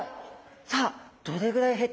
さあどれぐらい減ってるのか。